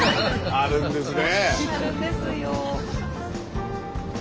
あるんですよ。